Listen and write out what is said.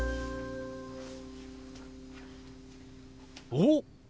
おっ！